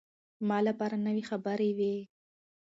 ما لپاره نوې خبرې وې.